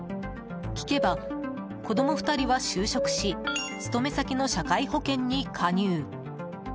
聞けば子供２人は就職し勤め先の社会保険に加入。